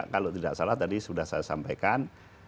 kalau tidak salah tadi sudah saya sampaikan